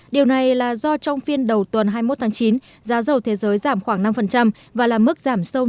điều này là do trong phiên đầu tuần hai mươi một tháng chín giá dầu thế giới giảm khoảng năm và là mức giảm sâu nhất trong hai tháng